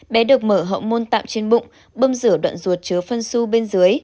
bé được mở hậu môn tạm trên bụng bơm rửa đoạn ruột chứa phân su bên dưới